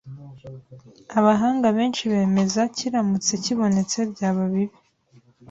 abahanga benshi bemeza kiramutse kibonetse byaba bibi